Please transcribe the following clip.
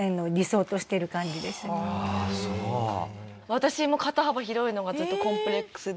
私も肩幅広いのがずっとコンプレックスで。